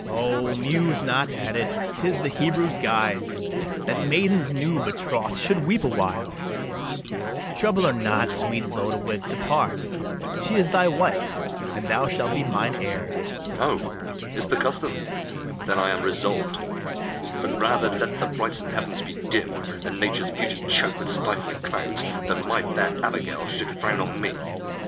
BARABAS. O, muse not at it; 'tis the Hebrews' guise, That maidens new betroth'd should weep a while: Trouble her not; sweet Lodowick, depart: She is thy wife, and thou shalt be mine heir. LODOWICK. O, is't the custom? then I am resolv'd: But rather let the brightsome heavens be dim, And nature's beauty choke with stifling clouds, Than my fair Abigail should frown on me.